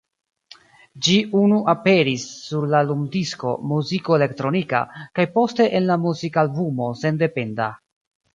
Ĝi unu aperis sur la lumdisko "Muziko Elektronika", kaj poste en la muzikalbumo "Sendependa".